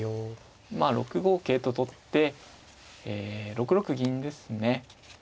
まあ６五桂と取って６六銀ですね。